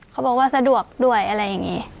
เขาบอกว่าสะดวกด้วยอะไรอย่างนี้